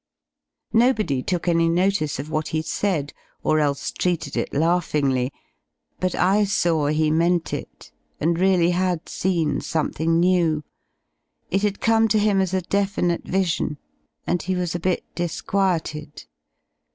Nobody took any notice of what he said, or else treated it laughingly; but I saw he meant it, and really had seen something new. It had come to him as a definite vision, and he was a bit disquieted.